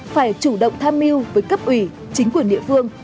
phải chủ động tham mưu với cấp ủy chính quyền địa phương